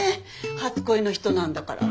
初恋の人なんだから。